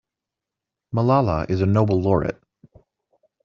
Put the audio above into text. Malala is a Nobel laureate.